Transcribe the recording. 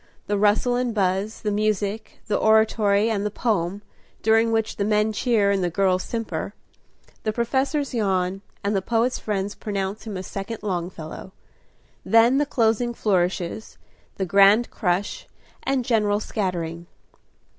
The rustle and buzz, the music, the oratory and the poem, during which the men cheer and the girls simper; the professors yawn, and the poet's friends pronounce him a second Longfellow. Then the closing flourishes, the grand crush, and general scattering.